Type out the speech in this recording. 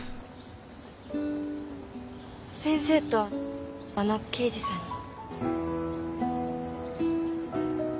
先生とあの刑事さんに。